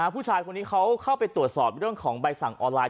ผู้ชายคนนี้เขาเข้าไปตรวจสอบเรื่องของใบสั่งออนไลน